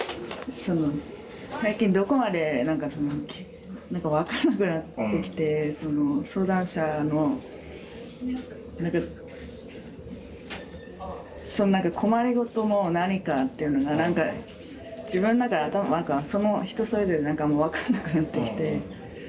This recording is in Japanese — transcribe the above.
最近どこまでなんかそのなんか分からなくなってきて相談者のなんか困りごとの何かっていうのがなんか自分の中で頭なんか人それぞれなんかもう分かんなくなってきて。